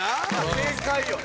正解よね。